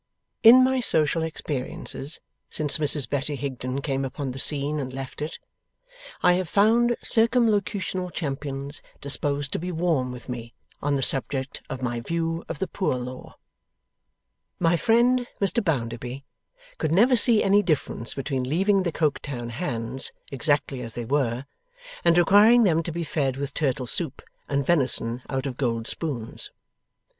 In my social experiences since Mrs Betty Higden came upon the scene and left it, I have found Circumlocutional champions disposed to be warm with me on the subject of my view of the Poor Law. Mr friend Mr Bounderby could never see any difference between leaving the Coketown 'hands' exactly as they were, and requiring them to be fed with turtle soup and venison out of gold spoons.